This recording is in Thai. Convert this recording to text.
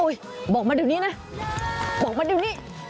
เอ้าบอกมาดิวนี้แล้วบอกมาดิวนี้